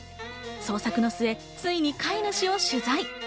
捜索の末、ついに飼い主を取材。